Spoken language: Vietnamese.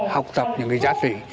học tập những giá trị